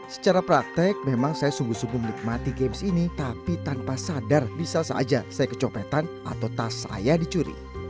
secara praktek memang saya sungguh sungguh menikmati games ini tapi tanpa sadar bisa saja saya kecopetan atau tas saya dicuri